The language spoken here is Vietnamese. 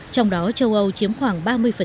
trong đó châu âu chiếm khoảng ba mươi